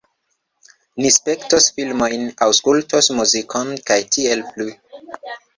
Ni spektos filmojn, aŭskultos muzikon, kaj tiel plu